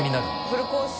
フルコース。